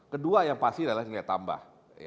kedua yang pasti rela tingkat tambah